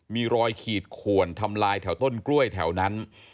มีรอยขีดขวนทำลายแถวต้นกล้วยแถวนั้น